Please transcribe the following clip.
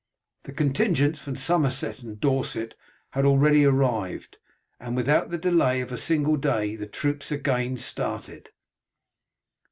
The contingents from Somerset and Dorset had already arrived, and without the delay of a single day the troops again started.